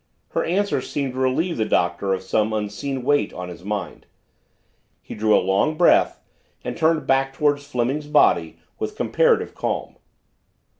Her answer seemed to relieve the Doctor of some unseen weight on his mind. He drew a long breath and turned back toward Fleming's body with comparative calm.